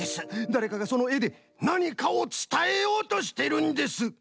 だれかがそのえでなにかをつたえようとしてるんです！